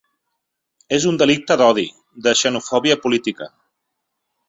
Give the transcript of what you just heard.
És un delicte d’odi, de xenofòbia política.